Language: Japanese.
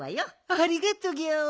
ありがとギャオ。